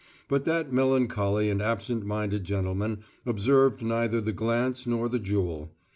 But that melancholy and absent minded gentleman observed neither the glance nor the jewel.